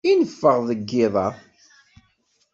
I neffeɣ deg yiḍ-a?